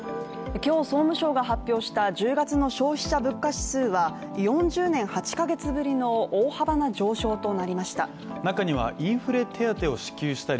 今日、総務省が発表した１０月の消費者物価指数は４０年８か月ぶりの大幅な上昇となりました。